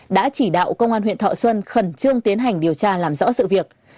đã chỉ đạo công an huyện thọ xuân khẩn trương tiến hành điều tra làm rõ sự việc